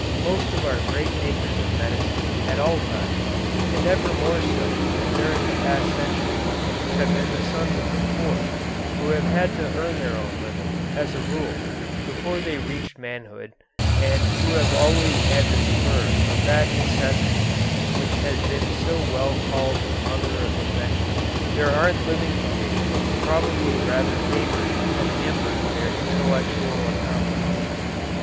Most of our great makers of medicine at all times, and never more so than during the past century, have been the sons of the poor, who have had to earn their own living, as a rule, before they reached manhood, and who have always had the spur of that necessity which has been so well called the mother of invention. Their hard living conditions probably rather favored than hampered their intellectual accomplishments.